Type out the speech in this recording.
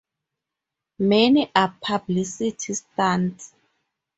Many are publicity stunts.